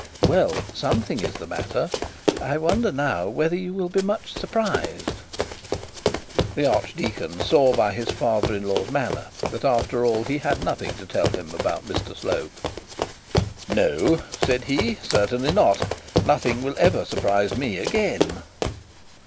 'Well, something is the matter. I wonder whether you will be much surprised?' The archdeacon saw by his father in law's manner that after all he had nothing to tell him about Mr Slope. 'No,' said he, 'certainly not nothing will ever surprise me again.'